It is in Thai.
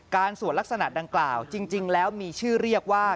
สวดลักษณะดังกล่าวจริงแล้วมีชื่อเรียกว่า